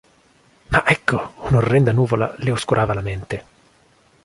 Ma, ecco, un'orrenda nuvola le oscurava la mente.